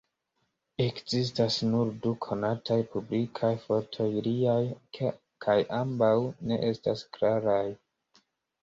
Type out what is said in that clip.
Ekzistas nur du konataj publikaj fotoj liaj; kaj ambaŭ ne estas klaraj.